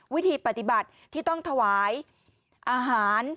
วิธีปฏิบัติที่ต้องถวายอาหาร